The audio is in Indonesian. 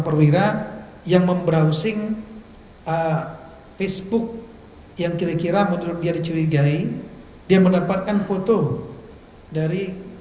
perwira yang membrowsing facebook yang kira kira menurut dia dicurigai dia mendapatkan foto dari